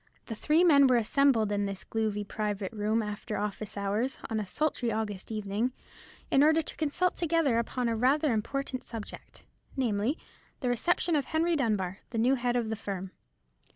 The three men were assembled in this gloomy private room after office hours, on a sultry August evening, in order to consult together upon rather an important subject, namely, the reception of Henry Dunbar, the new head of the firm.